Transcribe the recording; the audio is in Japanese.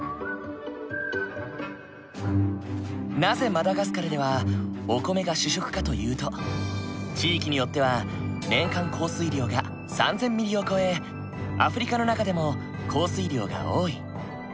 なぜマダガスカルではお米が主食かというと地域によっては年間降水量が３，０００ｍｍを超えアフリカの中でも降水量が多い。